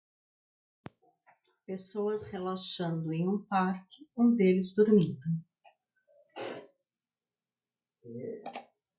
Pessoas relaxando em um parque um deles dormindo